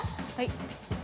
はい。